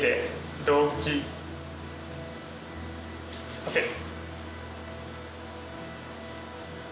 すいません。